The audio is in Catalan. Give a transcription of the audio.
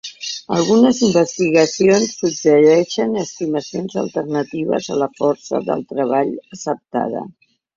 Algunes investigacions suggereixen estimacions alternatives a la força de treball acceptada.